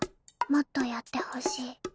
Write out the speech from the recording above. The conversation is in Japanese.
もっとやってほしい。